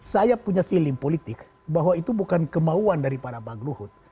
saya punya feeling politik bahwa itu bukan kemauan daripada bang luhut